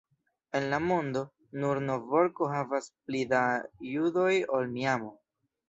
En la mondo, nur Novjorko havas pli da judoj ol Miamo.